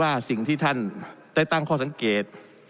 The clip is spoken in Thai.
สิ่งที่ท่านได้ตั้งข้อสังเกต